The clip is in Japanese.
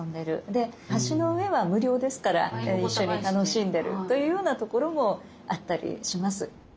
で橋の上は無料ですから一緒に楽しんでるというようなところもあったりします。